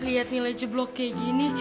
lihat nilai jeblok kayak gini